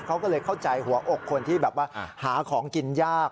เขาก็เลยเข้าใจหัวอกคนที่แบบว่าหาของกินยาก